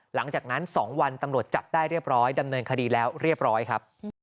หลังจากนั้น๒วันตำรวจจับได้เรียบร้อยดำเนินคดีแล้วเรียบร้อยครับ